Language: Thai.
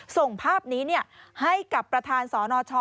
ส่งภาพนี้ให้กับประธานสนช